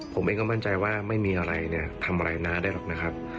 ผมเองก็มั่นใจว่าไม่มีอะไรเนี่ยทำอะไรน้าได้หรอกนะครับ